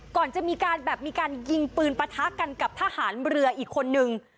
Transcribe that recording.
ก่อนจะมีการแบบมีการยิงปืนปะทะกันกับทหารเรืออีกคนนึง